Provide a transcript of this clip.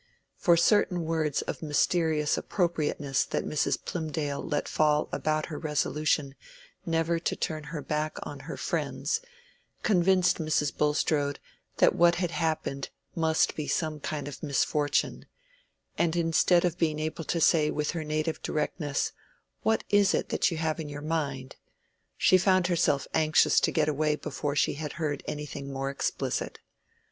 For certain words of mysterious appropriateness that Mrs. Plymdale let fall about her resolution never to turn her back on her friends, convinced Mrs. Bulstrode that what had happened must be some kind of misfortune, and instead of being able to say with her native directness, "What is it that you have in your mind?" she found herself anxious to get away before she had heard anything more explicit.